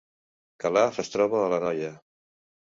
Calaf es troba a l’Anoia